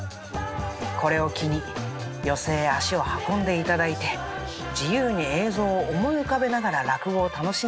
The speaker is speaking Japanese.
これを機に寄席へ足を運んで頂いて自由に映像を思い浮かべながら落語を楽しんでみて下さい。